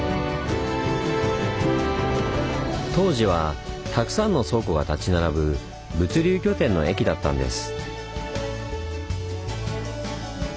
当時はたくさんの倉庫が立ち並ぶ物流拠点の駅だったんです。